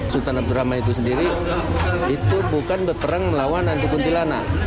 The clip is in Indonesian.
sultan abdurrahman itu sendiri itu bukan berperang melawan anti kuntilanak